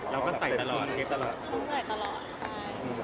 ใช่ใส่ตลอด